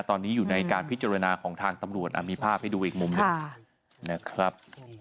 ตอนนี้อยู่ในการพิจารณาของทางตำรวจมีภาพให้ดูอีกมุมหนึ่งนะครับ